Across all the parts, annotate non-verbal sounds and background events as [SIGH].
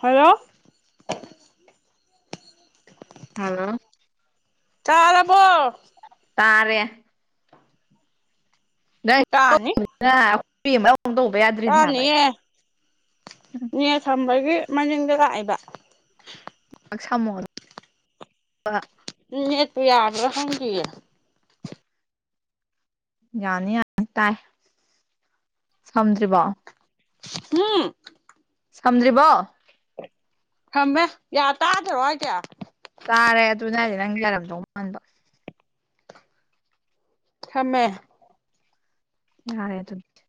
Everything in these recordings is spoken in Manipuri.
ꯍꯜꯂꯣ ꯍꯜꯂꯣ [UNINTELLIGIBLE] ꯇꯥꯔꯦ ꯇꯥꯅꯤ ꯐꯌꯦ ꯆꯅꯤꯌꯦ ꯌꯦ ꯅ‌ꯦꯠ ꯁꯝꯕꯒꯤ ꯃꯅꯤꯡꯗ ꯂꯥꯛꯑꯦꯕ ꯁꯃꯣ ꯅ‌ꯦꯠꯄꯨ ꯌꯥꯕꯔꯥ ꯈꯪꯗ‌ꯦꯟ ꯌꯥꯅꯤ ꯌꯥꯅꯤ ꯇꯥꯏ ꯁꯝꯗ꯭ꯔꯤꯕꯣ ꯎꯝ ꯁꯝꯗ꯭ꯔꯤꯕꯣ ꯁꯝꯃꯦ ꯌꯥ ꯇꯥꯗ꯭ꯔꯣ ꯍꯥꯏꯁ‌ꯦ ꯇꯥꯔꯦ ꯑꯗꯨꯅ ꯍꯥꯏꯗꯤ ꯅꯪ ꯌꯥꯔꯝꯗꯧ ꯃꯥꯟꯕ ꯁꯃꯃꯦ ꯌꯥꯔ‌ꯦ ꯑꯗꯨꯗꯤ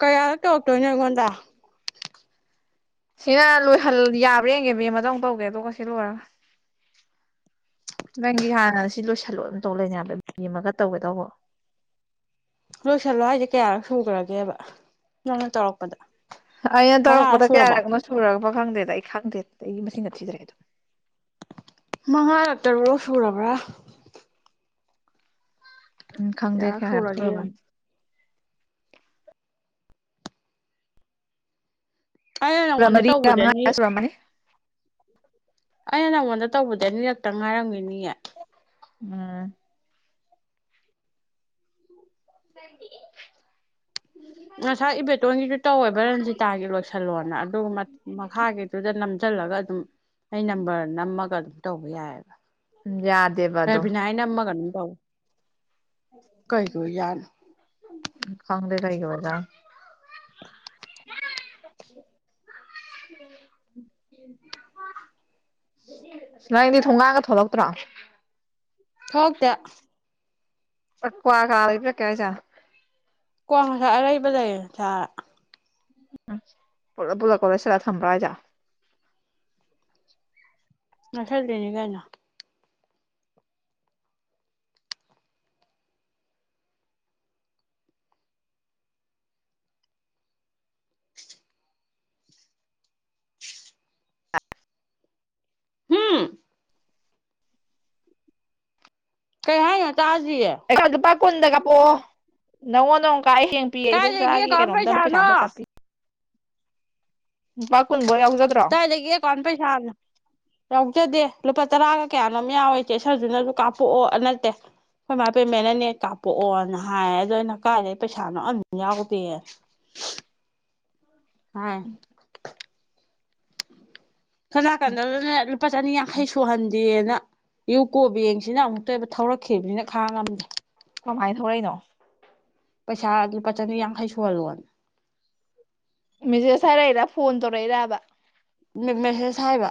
ꯀꯌꯥꯗꯛ ꯇꯧꯔꯛꯇꯣꯏꯅꯣ ꯑꯩꯉꯣꯟꯗ ꯁꯤꯅ ꯂꯣꯏꯍꯜ ꯌꯥꯕ꯭ꯔꯥ ꯌꯦꯡꯒꯦ ꯃ‌ꯦꯝꯃꯗ ꯑꯝ ꯇꯧꯒꯦ ꯑꯗꯨꯒ ꯁꯤ ꯂꯣꯏꯔꯒ ꯅꯪꯒꯤ ꯍꯥꯟꯅ ꯁꯤ ꯂꯣꯏꯁꯤꯜꯂꯣ ꯑꯃ ꯇꯧ ꯂꯩꯅꯦ ꯍꯥꯏꯕ ꯃꯤ ꯑꯃꯒ ꯇꯧꯒꯗꯧꯕ [UNINTELLIGIBLE] ꯂꯣꯏꯁꯜꯂꯣ ꯍꯥꯏꯁꯦ ꯀꯌꯥꯔꯛ ꯁꯨꯈ꯭ꯔꯒꯦꯕ ꯅꯪꯅ ꯇꯧꯔꯛꯄꯗ ꯑꯩꯅ ꯃꯉꯥꯔꯛ ꯇꯧꯔꯛꯄꯗ ꯁꯨꯔꯕꯣ ꯀꯌꯥꯔꯛꯅꯣ ꯁꯨꯔꯒ ꯈꯪꯗꯦꯗ ꯑꯩ ꯈꯪꯗꯦ ꯑꯩꯒꯤ ꯃꯁꯤꯡꯅ ꯊꯤꯗ꯭ꯔꯦꯗꯣ ꯃꯉꯥꯔ ꯇꯔꯨꯔꯛ ꯁꯨꯔꯕ꯭ꯔꯥ ꯎꯝ ꯈꯪꯗꯦ ꯀꯌꯥꯔꯛ ꯁꯨꯔꯒꯦ ꯌꯦꯡꯉꯣ ꯁꯨꯔꯕꯅ‌ꯣ ꯑꯩꯅ ꯁ ꯅꯪꯉꯣꯟꯗ ꯃꯔꯤ ꯇꯧꯕꯗꯤ ꯑꯅꯤ ꯇꯔꯌꯥꯥꯃꯉꯥꯌꯥ ꯁꯨꯔꯛꯝꯃꯅꯤ ꯑꯩꯅ ꯅꯪꯉꯣꯟꯗ ꯇꯧꯕꯗꯤ ꯑꯅꯤꯔꯛꯇ ꯉꯥꯏꯔꯝꯒꯅꯤꯌꯦ ꯎꯝ [UNINTELLIGIBLE] ꯉꯁꯥꯏ ꯏꯕꯦꯇꯣꯟꯒꯤꯁꯨ ꯇꯧꯋꯦꯕ ꯔꯟꯖꯤꯇꯥꯒꯤ ꯂꯣꯏꯁꯜꯂꯣꯅ ꯑꯗꯨꯒ ꯃꯈꯥꯒꯤꯗꯨꯗ ꯅꯝꯖꯟ ꯈꯜꯂꯒ ꯑꯗꯨꯝ ꯑꯩ ꯅꯝꯕꯔ ꯅꯝꯃꯒ ꯑꯗꯨꯝ ꯇꯧꯕ ꯌꯥꯑ‌ꯦꯕ ꯌꯥꯗꯦꯕ ꯑꯗꯣ ꯔꯕꯤꯅꯥ ꯍꯥꯏ ꯅꯝꯃꯒꯅ ꯇꯧ ꯈꯪꯗ‌ꯦ ꯀꯔꯤꯒꯤ ꯑ‌ꯣꯏꯔꯤꯖꯥꯠꯅ‌ꯣ [UNINTELLIGIBLE] ꯅꯪꯗꯤ ꯊꯣꯡꯒꯥꯡꯒ ꯊꯣꯛꯂꯛꯇ꯭ꯔꯣ ꯊ‌ꯣꯂꯛꯇ‌ꯦ ꯄꯀꯋꯥ ꯀꯥ [UNINTELLIGIBLE] ꯀ꯭ꯋꯥ ꯉꯁꯥꯏ ꯑꯔꯩꯕ ꯂꯩꯔ‌ꯦ ꯆꯥꯔ ꯎꯝ ꯄꯨꯂꯞ ꯄꯨꯂꯞꯀ ꯂ‌ꯣꯏꯁꯤꯜꯂ ꯊꯝꯕ꯭ꯔ‌ꯣ ꯍꯥꯏꯔꯤꯁ‌ꯦ ꯉꯊꯡꯗꯩꯅꯤ ꯀꯩꯅ‌ꯣ ꯎꯝ ꯀꯩ ꯍꯥꯏꯅ‌ꯣ ꯇꯗꯤꯌ‌ꯦ ꯑꯩ ꯂꯨꯄꯥ ꯀꯨꯟꯗ ꯀꯥꯄꯛꯑ‌ꯣ ꯅꯉ‌ꯣꯟꯗ ꯑꯃꯨꯛ ꯀꯥꯏ ꯍꯡ ꯄꯌꯦ ꯏꯕꯣꯛ ꯀꯥꯏꯗꯒꯤ ꯆꯆꯥꯒꯤ ꯑꯦꯀꯥꯎꯟ ꯀꯩꯅꯣꯝꯇꯪ ꯄꯩꯁꯥ ꯄꯩꯁꯥꯅꯣ ꯑꯝꯇ ꯀꯥꯞꯄꯤ ꯂꯨꯄꯥ ꯀꯨꯟꯕꯧ ꯋꯥꯎꯖ ꯇꯏꯖꯒꯤ ꯑ‌ꯦꯀꯥꯎꯟ ꯄꯩꯁꯥꯅ‌ꯣ ꯌꯥꯎꯖꯗꯦ ꯂꯨꯄꯥ ꯇꯔꯥꯒ ꯀꯌꯥꯅꯣꯝ ꯌꯥꯎꯋꯦ ꯆꯦ ꯁꯔꯗꯨꯅꯁꯨ ꯀꯥꯞꯄꯣꯛꯑꯣ ꯅꯠꯇꯦ ꯍꯣꯏ ꯃꯥ ꯄꯦꯃꯦꯟꯅ ꯅꯦꯛ ꯀꯥꯞꯄꯣꯛꯑꯣꯅ ꯍꯥꯏꯌꯦ ꯑꯗꯣ ꯑꯩꯅ ꯀꯥꯏꯗꯩ ꯄꯩꯁꯥꯅꯣ ꯑꯝꯝ ꯌꯥꯎꯗꯦ [INAUDIBLE] ꯍꯥ ꯀꯅꯥꯀꯟꯗꯗꯅꯦ ꯂꯨꯄꯥ ꯆꯅꯤ ꯌꯥꯡꯈꯩ ꯁꯨꯍꯟꯗꯦꯅ ꯀꯣꯕꯦꯡꯁꯤꯅ ꯑꯃꯨꯛꯇꯕ ꯊꯧꯔꯛꯈꯤꯕꯅꯤꯅ ꯈꯥꯡ ꯉꯝꯗꯦ ꯀꯃꯥꯏꯅ ꯊꯧꯔꯛꯏꯅꯣ ꯄꯩꯁꯥ ꯂꯨꯄꯥ ꯆꯅꯤ ꯌꯥꯡꯈꯩ ꯁꯨꯍꯜꯂꯣꯅ ꯃꯦꯁꯦꯖ ꯍꯥꯏꯔꯛꯏꯔꯥ ꯐꯣꯟ ꯇꯧꯔꯛꯏꯔꯕ ꯃꯦꯁꯦꯁ ꯍꯥꯏꯕ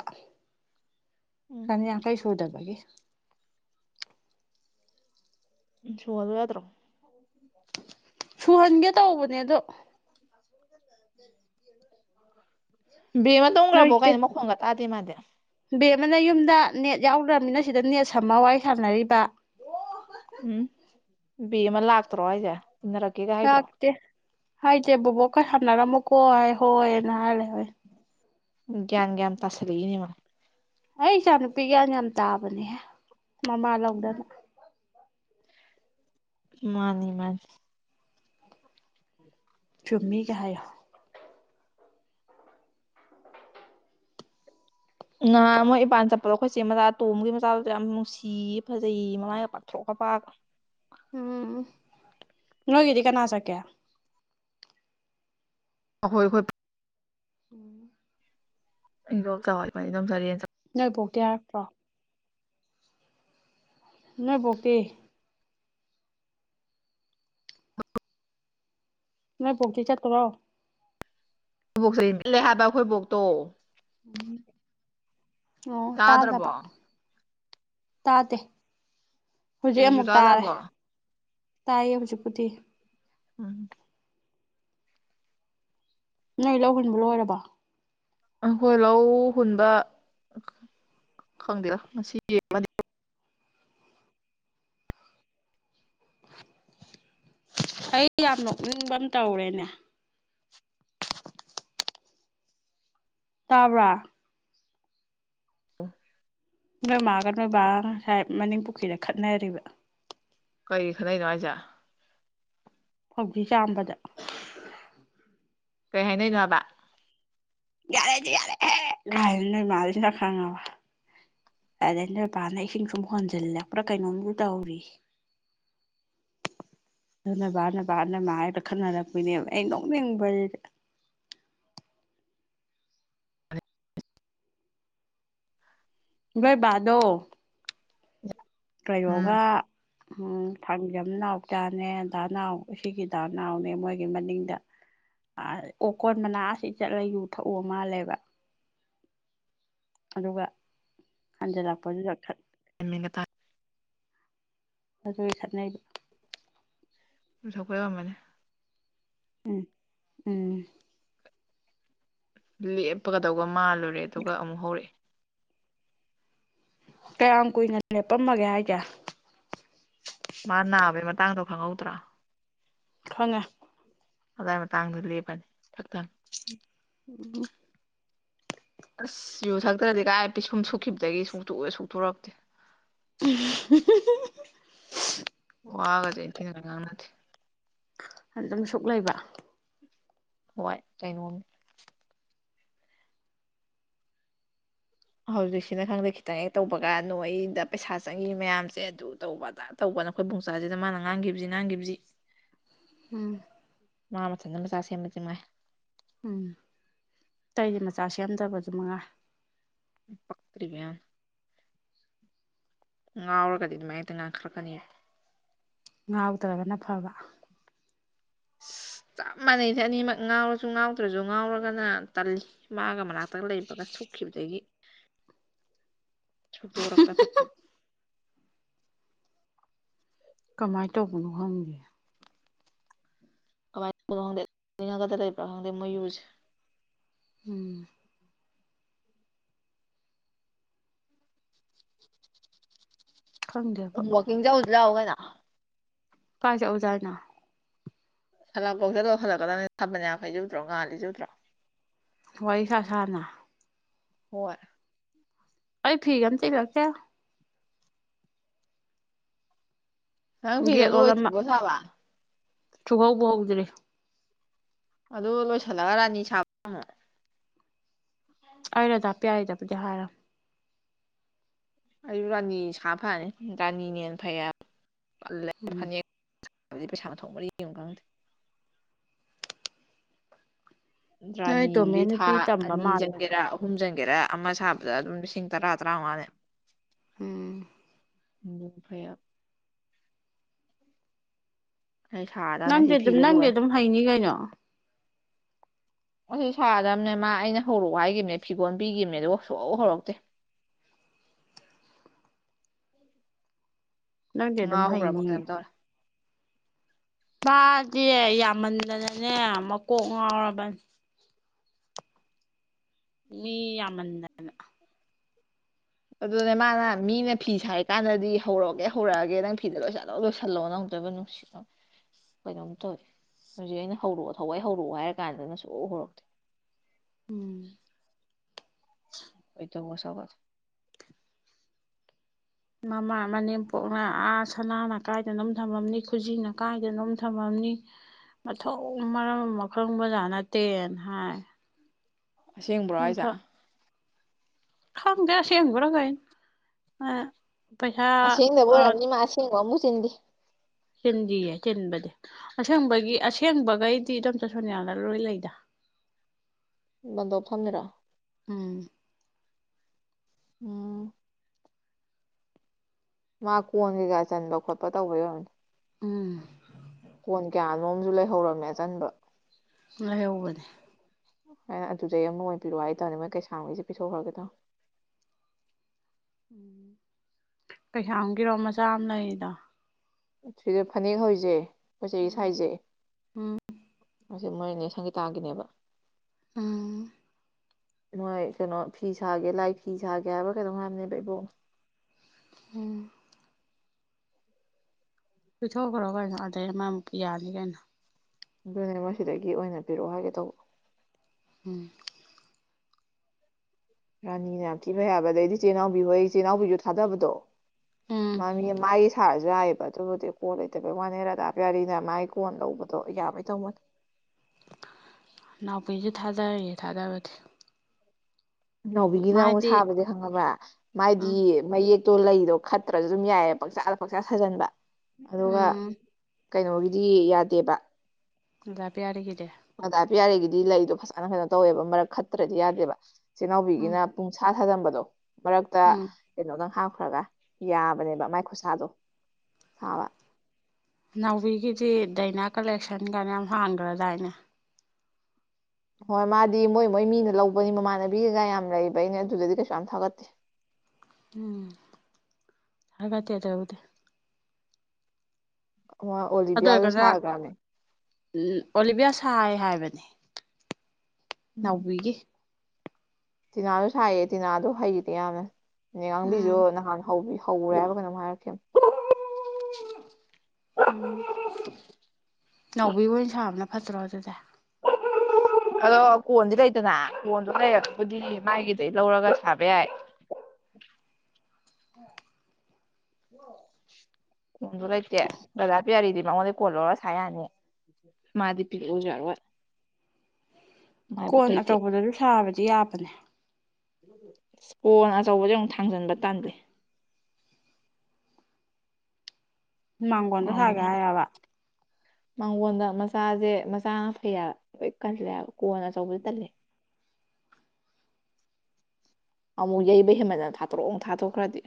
ꯎꯝ ꯆꯅꯤꯌꯥꯡꯈꯩ ꯁꯨꯗꯕꯒꯤ ꯁꯨꯍꯜꯂꯨ ꯌꯥꯗ꯭ꯔꯣ ꯁꯨꯍꯟꯒꯦ ꯇꯧꯕꯅꯦ ꯑꯗꯣ ꯕꯦꯡ ꯑꯃ ꯇꯣꯡꯈ꯭ꯔꯕꯣ ꯂꯩꯇꯦ ꯀꯥꯏꯅ ꯃꯈꯣꯡꯒ ꯇꯥꯗꯦ ꯃꯥꯗꯤ ꯕꯦꯝꯃꯅ ꯌꯨꯝꯗ ꯅꯦꯠ ꯌꯥꯎꯗ꯭ꯔꯃꯤꯅ ꯁꯤꯗ ꯅꯦꯠ ꯁꯝꯃ ꯋꯥꯔꯤꯏ ꯁꯥꯟꯅꯔꯤꯕ ꯎꯝ ꯕꯦꯃ ꯂꯥꯛꯇ꯭ꯔꯣ ꯑꯩꯁꯦ ꯏꯟꯅꯔꯛꯀꯦ ꯀ ꯍꯥꯏꯗ꯭ꯔꯣ ꯂꯥꯛꯇꯦ ꯍꯥꯏꯗꯦ ꯕꯣꯕꯣꯛꯈꯣꯏ ꯁꯥꯟꯅꯔꯝꯃꯨꯀꯣ ꯍꯥꯏ ꯍꯣꯏꯅ ꯍꯥꯏꯔꯦ ꯍꯣꯏ ꯭ꯒꯌꯥꯟꯒ ꯇꯥꯁꯤꯂꯛꯏꯅꯦ ꯃꯥ ꯑꯩ ꯏꯆꯥ ꯅꯨꯨꯄꯤ ꯒ꯭ꯌꯥꯝ ꯇꯥꯕꯅꯦꯍ° ꯃꯃꯥ ꯂꯧꯗꯅ ꯃꯥꯅꯤ ꯃꯥꯅꯤ ꯆꯨꯝꯃꯤ ꯀꯌꯥ ꯍꯥꯏ ꯅꯍꯥ ꯃꯣꯏ ꯏꯄꯥꯟ ꯆꯠꯄꯗꯣ ꯑꯩꯈꯣꯏꯆꯦ ꯃꯆꯥ ꯇꯣꯝꯕꯒꯤ ꯃꯆꯥꯗꯨꯗ ꯌꯥꯝ ꯅꯨꯡꯁꯤ ꯐꯖꯩ ꯃꯃꯥꯏꯒ ꯄꯥꯛꯊꯣꯛ ꯄꯥ ꯎꯝ ꯅꯣꯢꯒꯤꯗꯤ ꯀꯅꯥꯥ ꯆꯠꯀꯦ ꯑ ꯍꯣꯏ ꯍꯣꯏ ꯎꯝ ꯏꯗꯣꯆꯥꯍꯣꯢ [UNINTELLIGIBLE] ꯅꯥꯏꯕꯣꯛꯇ ꯌꯥꯔꯛꯇ꯭ꯔꯣ ꯅꯣꯢꯄꯣꯛꯇꯤ ꯅꯣꯢꯄꯣꯛꯇꯤ ꯆꯠꯇꯔꯣ ꯑꯩꯏꯕꯣꯛ ꯁꯜꯂꯦ ꯍꯥꯏꯕ ꯑꯩꯈꯣꯏꯕꯣꯛꯇꯣ ꯎ ꯑꯣ ꯇꯥꯗ꯭ꯔꯕꯣ ꯇꯥꯖꯕ ꯇꯥꯇꯦ ꯑꯗꯨꯁꯨ ꯇꯥꯗ꯭ꯔꯕꯣ ꯇꯥꯏꯌꯦ ꯍꯧꯖꯤꯄꯨꯗꯤ ꯎꯝ ꯅꯣꯏ ꯂꯧ ꯍꯨꯟꯕ ꯂꯣꯏꯔꯕꯣ ꯑꯍꯣꯏ ꯂꯧ ꯍꯟꯕ ꯈꯪꯗꯦꯔ ꯉꯁꯤ ꯌꯦꯡꯃꯗꯤ ꯑꯩ ꯌꯥꯝ ꯅꯣꯛꯅꯤꯡꯕ ꯑꯃ ꯇꯧꯔꯦꯅꯦ ꯑ ꯇꯥꯕ꯭ꯔꯥ ꯑ ꯅꯣꯏ ꯃꯥꯒ ꯅꯣꯏꯕꯥꯒ ꯉꯁꯥꯏ ꯃꯅꯤꯡ ꯄꯨꯈ꯭ꯔꯤꯗ ꯈꯠꯅꯔꯤꯕ ꯀꯔꯤ ꯈꯅꯩꯅꯣ ꯍꯥꯢꯖꯦ ꯍꯧꯖꯤ ꯆꯥꯝꯕꯗ ꯀꯩ ꯍꯥꯏꯅꯩ ꯅꯣ ꯍꯥꯢꯕ ꯌꯥꯔꯦ ꯌꯥꯔꯦꯍꯦ ꯀꯥꯢꯅ ꯅꯣꯢꯃꯥꯖꯤꯅ ꯈꯪꯉꯕ ꯑꯗꯩꯩꯅ ꯅꯨꯄꯥꯅ ꯏꯁꯤꯡ ꯁꯨꯝ ꯍꯣꯟꯖꯤꯜꯂꯛꯄ꯭ꯔꯥ ꯀꯩꯅꯣꯝꯁꯨ ꯇꯧꯔꯤ ꯑ ꯑꯗꯨꯅꯕꯅ ꯅ ꯃꯥ ꯍꯥꯏ ꯄ ꯈꯠꯅꯔꯛꯄꯅꯦꯕ ꯑꯩ ꯅꯣꯛꯅꯤꯡꯕꯗ ꯑ ꯏꯚꯥꯏ ꯗꯣ ꯎꯝ ꯀꯌꯣꯒ ꯎꯝ ꯐꯪꯖꯝ ꯅꯥꯎꯆꯥꯅꯦ ꯗꯥꯅꯥꯎ ꯑꯁꯤꯒꯤꯗ ꯅꯥꯎꯅꯦ ꯃꯣꯏꯒꯤ ꯃꯅꯤꯡꯗ ꯑꯣꯀꯣꯟ ꯃꯅꯥ ꯑꯁꯤ ꯆꯠꯂ ꯌꯨ ꯊꯛꯎ ꯃꯥꯜꯂꯦꯕ [INAUDIBLE] ꯑꯗꯨꯒ ꯍꯟꯖꯜꯂꯛꯄꯗꯨꯗꯠ [INAUDIBLE] ꯑꯗꯨ ꯈꯠꯅꯩꯔꯤꯕ ꯊꯄꯕ ꯃꯅꯤ ꯎꯝ ꯎꯝ ꯂꯦꯞꯄꯒꯗꯧꯕ ꯃꯥꯜꯂꯨꯔꯦ ꯑꯗꯨꯒ ꯑꯃꯨꯛ ꯍꯧꯔꯛꯑꯦ ꯀꯌꯥꯝ ꯀꯨꯏꯅ ꯂꯦꯞꯄꯝꯃꯒꯦ ꯍꯥꯏꯒꯦ ꯃꯥ ꯅꯥꯕꯒꯤ ꯃꯇꯥꯡꯗꯣ ꯈꯪꯍꯧꯗ꯭ꯔꯥ ꯈꯪꯉꯦ ꯑꯗꯨꯋꯥꯏ ꯃꯇꯥꯡꯗ ꯂꯦꯞꯄꯅꯤ ꯊꯛꯊꯪ ꯎꯝ ꯑꯁ ꯌꯨ ꯊꯛꯇ꯭ꯔꯗꯤ ꯀꯥꯏ ꯄꯤꯁꯨꯝ ꯁꯨꯈꯤꯕꯗꯒꯤ ꯁꯨꯛꯇꯣꯔꯛꯇꯦ ꯑꯣꯒ ꯉ ꯅ ꯑꯗꯨꯪ ꯁꯨꯛ ꯂꯩꯕ ꯍꯣꯏ ꯀꯩꯅꯣꯅꯤ ꯍꯧꯖꯤꯛꯁꯤꯅ ꯈꯪꯗꯦ ꯈꯤꯇꯪ ꯍꯦꯛ ꯇꯧꯕ ꯀꯥꯟ ꯅꯣ ꯑꯩꯗ ꯄꯩꯁꯥ ꯆꯪꯉꯤ ꯃꯌꯥꯝꯁꯦ ꯑꯗꯨ ꯇꯧꯕ ꯇ ꯅ ꯑꯩꯈꯣꯏ ꯄꯨꯡꯆꯥꯥꯁꯤꯗ ꯃꯥꯅ ꯉꯥꯡꯈꯤꯕꯁꯤ ꯉꯥꯡꯈꯤꯕꯁꯤ ꯎꯝ ꯃꯥꯃ ꯆꯗ ꯃꯁꯥꯁꯦꯝ ꯃ ꯆꯃꯃꯦ ꯎꯝꯇꯩꯗꯤ ꯃꯆꯥ ꯁꯦꯝꯗꯕꯁꯨ ꯃꯉꯥ ꯐꯥꯛꯇ꯭ꯔꯤꯔꯤꯕꯅ ꯎꯔꯒꯗꯤ ꯑꯗꯨ ꯃꯥꯥꯏ ꯇ ꯉ ꯈꯔꯀꯅꯤ ꯉꯥꯎꯇ꯭ꯔꯒꯅ ꯐꯕ ꯑ ꯆꯞ ꯃꯥꯟꯅꯩꯗ ꯑꯅꯤꯃꯛ ꯉꯥꯎꯔꯁꯨ ꯉꯥꯎꯗ꯭ꯔꯁꯨ ꯉꯥꯎꯔꯒꯅ ꯇꯜꯂꯤ ꯃꯥꯒ ꯃꯅꯥꯛꯇ ꯍꯇꯥꯡ ꯂꯩꯕꯒ ꯁꯣꯛꯈꯤꯕꯗꯒꯤ ꯁꯗ ꯑꯣꯔꯛ ꯀꯥ ꯐꯇ ꯀꯃꯥꯏꯅ ꯇꯧꯕꯅꯣ ꯍꯪꯒꯦ ꯀꯃꯥꯏꯅ ꯇ ꯈꯪꯗꯦ ꯈꯛꯇ ꯂꯩꯕ꯭ꯔꯥ ꯈꯪꯗꯦ ꯃꯌꯨꯁꯦ ꯎꯝ ꯈꯪꯗꯦꯕ ꯂꯎꯒꯅ ꯀꯥꯏ ꯆꯎꯖꯥꯅ ꯁꯂꯞ ꯀꯧꯁꯂꯧ ꯍꯜꯂꯛꯀꯗ ꯅꯅꯦ ꯊꯝꯕꯅꯦꯈꯩꯖꯨꯗ꯭ꯔꯣ ꯉꯥ ꯂꯩꯖꯨꯗ꯭ꯔꯣ ꯋꯥꯏ ꯁꯥ ꯁꯥꯥꯅ ꯍꯣꯏ ꯑꯩ ꯐꯤ ꯊ ꯀ ꯀꯦ ꯅꯪ ꯐꯤꯗꯣ ꯂꯣꯏꯗ꯭ꯔꯤꯕꯣ ꯁꯥꯕ ꯊꯨꯍꯥꯎꯕ ꯍꯧꯥꯎꯗ꯭ꯔꯦ ꯑꯗꯨ ꯂꯣꯏꯁꯤꯜꯂꯒ ꯔꯥꯅꯤ ꯁꯥꯕ ꯑꯩꯔꯗꯥꯄꯤ ꯌꯥꯔꯤꯗꯕꯨꯗꯤ ꯍꯥꯏꯔ ꯑꯩꯁꯨ ꯔꯥꯅꯤ ꯁꯥ ꯐꯅꯤ ꯔꯥꯅꯤꯅꯦꯅ ꯐꯩꯜꯂ ꯎꯝ ꯐꯅꯦꯛ ꯍꯥꯏꯕꯗꯤ ꯄꯩꯁꯥꯅ ꯊꯣꯡꯕꯗꯤ ꯌꯦꯡ ꯈꯪꯗꯦ ꯅꯣꯏ ꯇꯣꯃꯦ ꯔꯅꯤꯗꯤ ꯊꯥ ꯅꯨꯄꯤ ꯇꯝꯕ ꯑꯅꯤ ꯃꯥꯜꯂꯦ ꯆꯪꯒꯦꯔꯥ ꯍꯨꯝꯖꯤꯟꯒꯦꯔ ꯑꯃ ꯁꯥꯕꯗ ꯑꯗꯨꯝ ꯂꯤꯁꯤꯡ ꯇꯔꯥ ꯇꯔꯥꯃꯉꯥꯅꯦ ꯎꯝ ꯎꯝ ꯐꯌꯥ ꯑꯩ ꯁꯥꯔꯗꯕꯅꯦ ꯅꯪꯗꯤ ꯁꯤ ꯑꯗꯨꯝ ꯐꯤꯁꯦ ꯅꯪꯗꯤ ꯂꯣꯏꯔꯦ ꯑꯗꯨꯝ ꯍꯩꯅꯤ ꯀꯩꯅꯣ [INAUDIBLE] ꯑꯁꯤ ꯁꯥꯗꯕꯅꯦ ꯃꯥ ꯑꯩꯅ ꯍꯧꯔꯛ ꯍꯥꯏꯒꯤꯈꯤꯕꯅꯦ ꯐꯤꯒꯣꯜ ꯄꯤꯈꯤꯕꯅꯦ ꯗꯨꯒ ꯁꯨꯍꯧ ꯍꯧꯔꯛꯇꯦ [INAUDIBLE] ꯅꯪꯗꯦ ꯑꯗꯨꯝ ꯉꯥꯎꯈ꯭ꯔꯕ ꯐꯩꯅꯤ ꯀꯩꯅꯣꯝ ꯇꯧꯔꯦ ꯃꯥꯗꯤ ꯌꯥꯝꯃꯟꯗꯅꯅꯦ ꯃꯀꯣꯛ ꯉꯥꯎꯔꯕꯅꯦ ꯃꯤ ꯌꯥꯝꯃꯟꯗꯅ ꯑꯗꯨꯅꯦ ꯃꯥꯅ ꯃꯤꯅ ꯐꯤ ꯁꯥꯔꯤꯀꯥꯟꯗꯗꯤ ꯍꯧꯔꯛꯑꯒꯦ ꯍꯧꯔꯛꯑꯒꯦ ꯅꯪ ꯐꯤꯗ ꯂꯣꯏ ꯆꯠꯂ ꯂꯣꯏꯁꯤꯜꯂꯛꯑꯣ ꯅꯪ ꯇꯧꯔꯤꯕ ꯅꯨꯡꯁꯤ ꯀꯩꯅꯣꯝ ꯇꯧꯋꯤ ꯍꯧꯖꯤꯛ ꯑꯩꯅ ꯍꯧꯔꯛꯑꯣ ꯊꯋꯥꯏ ꯍꯧꯔꯛꯑꯣ ꯍꯥꯏꯔ ꯀꯥꯟꯗꯩꯅ ꯁꯣꯛ ꯍꯧꯔꯛꯇꯦ ꯎꯝ ꯑꯩ ꯇꯕꯨꯁꯕ ꯃꯃꯥ ꯃꯅꯦꯝꯄꯣꯛꯅ ꯑꯥ ꯁꯅꯥꯅ ꯀꯥꯏꯗꯅꯝ ꯊꯝꯃꯝꯅꯤ ꯈꯨꯖꯤꯅ ꯀꯥꯏꯗꯅꯣꯝ ꯊꯝꯃꯅꯤ ꯃꯊꯧ ꯃꯔꯝ ꯑꯃ ꯈꯪꯕꯖꯥꯠ ꯅꯠꯇꯦꯅ ꯍꯥꯏ ꯑꯁꯦꯡꯕ꯭ꯔꯣ ꯑꯁꯦ ꯑꯗꯣ ꯈꯪꯗꯦ ꯑꯁꯦꯡꯕꯔ ꯀꯥꯏ ꯑꯁꯦꯡꯗꯕ ꯑꯣꯏꯔꯝꯅꯤ ꯃꯥ ꯑꯁꯦꯡꯕꯣ ꯑꯃꯨ ꯆꯤꯟꯗꯦ ꯆꯤꯟꯗꯤꯌꯦ ꯆꯤꯟꯕꯗꯤ ꯑꯁꯦꯡꯕꯒꯤ ꯑꯁꯦꯡꯕꯈꯩꯗꯤ ꯏꯗꯣꯝꯆ ꯁꯣꯅꯤꯌꯥꯅ ꯂꯣꯏ ꯂꯩꯗ ꯕꯪꯗꯣꯞ ꯊꯝꯃꯤꯔꯣ ꯎꯝ ꯎꯝ ꯃꯥ ꯀꯣꯟ ꯀꯩꯀꯥ ꯆꯟꯕ ꯈꯣꯠꯄ ꯇꯧꯕ ꯌꯔꯅꯤ ꯎꯝ [INAUDIBLE] ꯀꯣꯟ ꯀꯌꯥ ꯅꯣꯝꯁꯨ [INAUDIBLE] ꯂꯩꯍꯧꯔꯝꯃꯦ ꯑꯆꯟꯕ ꯂꯩꯍꯩꯕꯅꯦ ꯍ ꯑꯗꯨꯗꯩ ꯑꯃꯨꯛ ꯑꯣꯏꯕꯤꯔꯣꯑꯣ ꯍꯥꯏꯇꯥꯔꯅꯦ ꯃꯣꯏ ꯀꯩꯁꯥꯃꯛꯩꯁꯦ ꯄꯤꯊꯣꯛꯈ꯭ꯔꯒꯦ ꯇꯥ ꯎꯝ ꯀꯩꯁꯥꯝꯒꯤꯔꯣ ꯃꯆꯥ ꯑꯃ ꯂꯩꯔꯤꯗ ꯁꯤꯗ ꯐꯅꯦꯛ ꯍꯧꯁꯦ ꯀꯆꯩ [INAUDIBLE] ꯎꯝ ꯁꯥꯏꯖꯦ ꯎꯝ ꯑꯁꯤ ꯃꯣꯏꯅꯦ ꯁꯪꯒꯤꯇꯥꯒꯤꯅꯦꯕ ꯎꯝ ꯃꯣꯏ ꯀꯩꯅꯣ ꯐꯤ ꯁꯥꯒꯦ ꯂꯥꯏ ꯐꯤ ꯁꯥꯒꯦ ꯍꯥꯏꯕ ꯀꯩꯅꯣꯝ ꯍꯥꯏꯕꯅꯦꯕ ꯏꯕꯣꯛ ꯎꯝ ꯄꯤꯊꯣꯛꯈ꯭ꯔꯣ ꯀꯩꯅꯣ ꯑꯗꯩ ꯑꯃꯃꯨꯛ ꯄꯤ ꯌꯥꯅꯤ ꯀꯩꯅꯣ ꯑꯗꯨꯅꯦꯕ ꯁꯤꯗꯒꯤ ꯑꯣꯏꯅ ꯄꯤꯔꯛꯑꯣ ꯍꯥꯏꯒꯦ ꯇꯧꯕ ꯎꯝ ꯔꯥꯅꯤꯅ ꯌꯥꯝ ꯊꯤꯕ ꯍꯥꯏꯕ ꯗꯩꯗꯤ ꯆꯦꯅꯥꯎꯕꯤꯍꯣꯏ ꯏꯆꯦ ꯅꯥꯎꯕꯤꯁꯨ ꯊꯥꯗꯕꯗꯣ ꯎꯝ ꯃꯥꯃꯤ ꯃꯥꯒꯤ ꯁꯥꯜ ꯌꯥꯏꯑꯕ ꯑꯗꯨꯕꯨꯗꯤ ꯀꯣꯟ ꯂꯩꯇꯕꯩ ꯋꯥꯅꯦ ꯔꯥꯗꯥꯕ ꯌꯥꯔꯤꯅ ꯃꯥꯒꯤ ꯀꯣꯟ ꯂꯧꯕꯗꯣ ꯌꯥꯕꯩ ꯇꯧꯕꯃꯅꯦ ꯅꯥꯎꯄꯤꯁꯨ ꯊꯥꯗꯔꯤꯌꯦ ꯊꯥꯗꯕꯗꯤ ꯅꯥꯎꯕꯤꯒꯤꯅ ꯑꯃꯨꯛ ꯃꯥꯗꯤ ꯁꯥꯕꯁꯦ ꯈꯪꯉꯕ꯭ꯔꯥ ꯃꯥꯗꯤ ꯎꯝ ꯃꯌꯦꯛ ꯇꯣ ꯂꯩꯗꯣ ꯈꯠꯇ꯭ꯔꯁꯨ ꯑꯗꯨꯝ ꯌꯥꯏꯑ ꯄꯥꯛꯆꯆꯥꯗ ꯄꯥꯛꯆꯆꯥ ꯁꯥꯖꯟꯕ ꯑꯗꯨꯒ ꯎꯝ ꯀꯩꯅꯣꯒꯤꯗꯤ ꯌꯥꯗꯦꯕ ꯄꯤꯔꯒꯤꯗꯦ ꯗꯥ ꯄꯤꯌꯥꯔꯤꯒꯤꯗꯤ ꯂꯩꯗꯣ ꯐꯖꯅ ꯀꯩꯅꯣ ꯇꯧꯋꯦꯕ ꯃꯔꯛ ꯈꯠꯇ꯭ꯔꯗꯤ ꯌꯥꯗꯦꯕ ꯆꯦ ꯎꯝ ꯅꯥꯎꯕꯤꯒꯤꯅ ꯄꯨꯡꯁꯥ ꯁꯥꯖꯟꯕꯗꯣ ꯃꯔꯛꯇ ꯎꯝ ꯀꯩꯅꯣꯃ ꯍꯥꯞ ꯈ꯭ꯔ ꯌꯥꯕꯅꯦꯕ ꯃꯥꯏ ꯈꯨꯠꯁꯥꯗꯣ ꯁꯥꯕ ꯅꯥꯎꯕꯤꯒꯤꯗꯤ ꯗꯥꯏꯅꯥ ꯀꯂꯦꯛꯁꯟ ꯀꯥꯏꯅ ꯌꯥꯝ ꯍꯥꯡꯈ꯭ꯔꯗꯥꯏꯅꯦ ꯍꯣꯏ ꯃꯥꯗꯤ ꯃꯣꯏ ꯃꯣꯏ ꯃꯤꯅ ꯂꯧꯕꯅꯤ ꯃꯃꯥꯟꯅꯕꯤꯒꯩꯒ ꯌꯥꯝ ꯂꯩꯕ ꯑꯅꯦ ꯑꯗꯨꯗꯗꯤ ꯀꯩꯁꯨ ꯌꯥꯝ ꯊꯥꯒꯠꯇꯦ [INAUDIBLE] ꯎꯝ ꯍꯥꯏꯗꯤ ꯑꯗ ꯍꯎꯗꯦ ꯑꯃ ꯑꯣꯂꯤꯕꯤꯌꯥꯗ ꯁꯥꯒ꯭ꯔꯝꯅ‌‌ꯦ ꯎꯝ ꯑꯣꯂꯤꯕꯤꯌꯥ ꯁꯥꯏ ꯍꯥꯏꯕꯅꯤ ꯎꯝ ꯅꯥꯎꯕꯤꯒꯤ ꯇꯤꯅꯥꯁꯨ ꯁꯥꯏꯌꯦ ꯇꯤꯅꯥꯗꯣ ꯍꯩꯇ‌ꯦ ꯌꯥꯝꯅꯅꯦ ꯉꯥꯡꯕꯤꯁꯨ ꯎꯝ ꯅꯍꯥꯟ ꯍꯧꯕꯤꯌꯨ ꯍꯧꯔꯦ ꯍꯥꯏꯕ꯭ꯔ ꯀꯩꯅꯣꯝ ꯍꯥꯏꯔꯛꯈꯤꯝꯅ‌ꯦ ꯅꯥꯎꯕꯤ ꯑꯣꯏꯅ ꯁꯥꯕꯅ ꯐꯠꯇ꯭ꯔꯣ ꯑꯗꯨꯗꯤ ꯍꯧꯍꯧꯍꯧꯍꯍꯧꯍꯍꯧ ꯑꯗꯣ ꯀꯣꯟꯗꯤ ꯂꯩꯇꯅ ꯀꯣꯟꯗꯣ ꯂꯩꯔꯒꯕꯨꯗꯤ ꯃꯥꯥꯏꯒꯤꯗꯩ ꯂꯧꯔꯒ ꯁꯥꯕ ꯌꯥꯏ [UNINTELLIGIBLE] ꯀꯣꯟꯗꯣ ꯂꯩꯇꯦ ꯔꯥꯙꯥ ꯄꯤꯌꯥꯔꯤꯗꯤ ꯅꯉꯣꯟꯗꯩ ꯀꯣꯜ ꯂꯧꯔ ꯁꯥ ꯌꯥꯅꯤ ꯃꯥꯗꯤ ꯄꯤꯔꯛꯑꯣꯁꯨ ꯌꯥꯔꯛꯑ‍ꯣꯏ ꯀꯣꯟ ꯑꯆꯧꯕꯗꯁꯨ ꯁꯥꯕꯗꯤ ꯌꯥꯕꯅꯦ ꯏꯁꯄꯣꯟ ꯑꯆꯧꯕꯁ ꯑꯃꯨꯛ ꯊꯥꯡꯖꯟꯕ ꯇꯥꯟꯂ‌ꯦ ꯃꯥꯡꯒꯣꯟꯗ ꯁꯥꯒꯦ ꯍꯥꯏꯔꯕ ꯃꯥꯡꯒꯣꯜꯗ ꯃꯆꯥꯁꯦ ꯃꯆꯥꯅ ꯐꯩ ꯍꯥꯏꯕ ꯂꯣꯏ ꯀꯜꯂꯦ ꯀꯣꯟꯅ ꯑꯆꯧꯕꯁꯦ ꯇꯜꯂꯦ [INAUDIBLE] ꯑꯃꯨꯛ ꯌꯩꯕ ꯍꯦꯟꯃꯟꯗꯅ ꯊꯥꯠꯇꯣꯔꯛꯑꯣ ꯊꯥꯗꯣꯛꯈ꯭ꯔꯗꯤ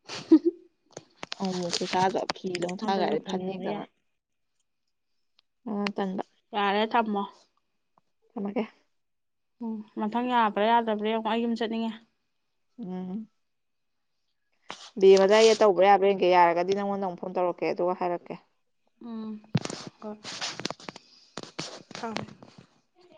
[INAUDIBLE] ꯑꯃꯨꯃꯨꯛ ꯄꯩꯁꯥꯗꯣ ꯑꯗꯨꯁꯨ ꯐꯤꯗꯊꯥꯒꯗꯤ ꯐꯅꯕ ꯐꯅꯤꯗꯅ ꯌꯥꯏ ꯌꯥꯔꯦ ꯊꯝꯃꯣ ꯊꯝꯃꯒꯦ ꯎꯝ ꯃꯊꯪ ꯌꯥꯕ꯭ꯔꯥ ꯌꯥꯗꯕ꯭ꯔꯥ ꯌꯦꯡꯉꯣ ꯑꯩ ꯌꯨꯝ ꯆꯠꯅꯤꯡꯉꯦ ꯎꯝ ꯕ‌ꯦꯝꯃꯗ ꯑꯩꯅ ꯇꯧꯕ ꯌꯥꯕ꯭ꯔꯥ ꯌꯦꯡꯒꯦ ꯌꯥꯔꯒꯗꯤ ꯅꯪꯉꯣꯟꯗ ꯑꯃꯨꯛ ꯐꯣꯟ ꯇꯧꯔꯛꯀꯦ ꯑꯗꯨꯒ ꯍꯥꯏꯔꯛꯀꯦ ꯎꯝ ꯍ‌ꯣꯏ ꯊꯝꯃ‌ꯦ